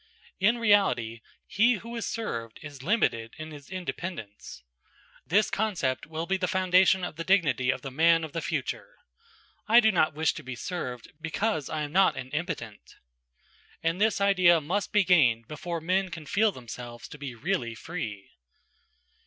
In reality, he who is served is limited in his independence. This concept will be the foundation of the dignity of the man of the future; "I do not wish to be served, because I am not an impotent." And this idea must be gained before men can feel themselves to be really free.